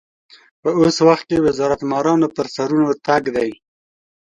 په اوس وخت کې وزارت مارانو پر سرونو تګ دی.